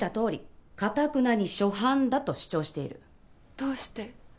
どうして。